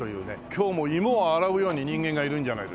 今日も芋を洗うように人間がいるんじゃないですか？